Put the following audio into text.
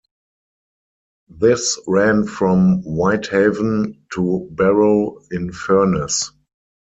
This ran from Whitehaven to Barrow in Furness.